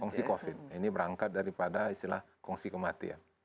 kongsi covid ini berangkat daripada istilah kongsi kematian